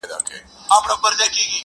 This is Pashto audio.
چي څونه به لا ګرځي سرګردانه په کوڅو کي-